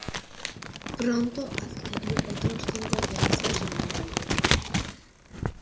Pronto adquirió otros cinco teatros en Nueva York.